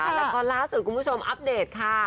แล้วก็ล่าสุดคุณผู้ชมอัปเดตค่ะ